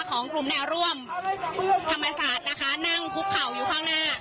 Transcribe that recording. ของกลุ่มแนวร่วมธรรมศาสตร์นะคะนั่งคุกเข่าอยู่ข้างหน้า